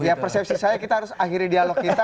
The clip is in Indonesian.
ya persepsi saya kita harus akhiri dialog kita